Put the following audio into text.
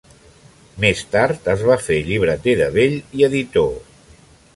Més tard es va fer llibreter de vell i editor.